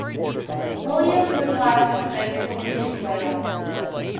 Williams retired from baseball two years later.